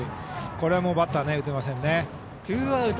これはバッター打てませんね。